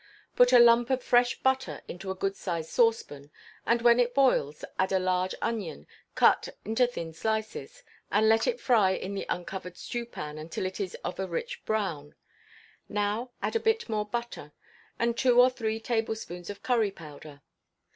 Put a lump of fresh butter into a good sized saucepan, and when it boils, add a large onion, cut into thin slices, and let it fry in the uncovered stewpan until it is of a rich brown: now add a bit more butter, and two or three tablespoonfuls of curry powder.